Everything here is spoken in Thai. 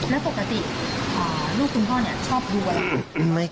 แล้วปกติลูกคุณพ่อชอบดูอะไร